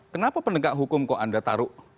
kenapa penegak hukum kok anda taruh